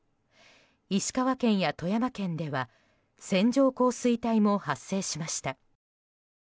石川県や富山県では線状降水帯も発生しました。